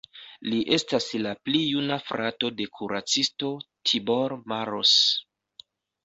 Li estas la pli juna frato de kuracisto Tibor Maros.